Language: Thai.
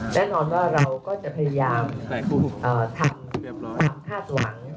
แน่นอนว่าเราก็จะพยายามทำความคาดหวัง